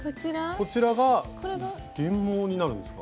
こちらが原毛になるんですか？